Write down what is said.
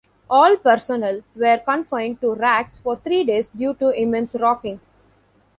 All personnel were confined to racks for three days due to immense rocking.